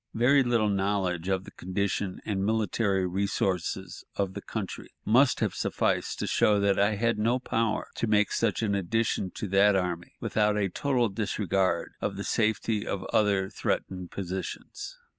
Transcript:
Very little knowledge of the condition and military resources of the country must have sufficed to show that I had no power to make such an addition to that army without a total disregard of the safety of other threatened positions.